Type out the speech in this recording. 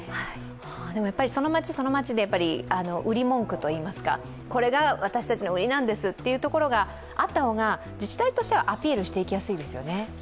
その町、その町で売り文句といいますか、これが私たちの売りなんですというところがあった方が自治体としてはアピールしていきやすいですよね。